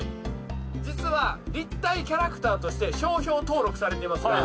実は立体キャラクターとして商標登録されていますが。